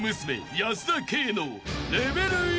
保田圭の］